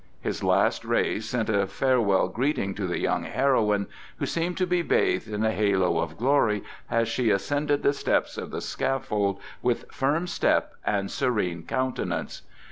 His last rays sent a farewell greeting to the young heroine, who seemed to be bathed in a halo of glory, as she ascended the steps of the scaffold with firm step and serene countenance.